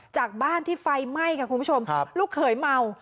จากบ้านที่ไฟไหม้ค่ะคุณผู้ชมลูกเขยเมา